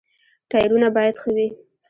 ټایرونه باید ښه وي.